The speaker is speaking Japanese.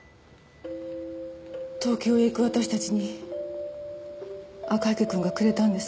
東京へ行く私たちに赤池くんがくれたんです。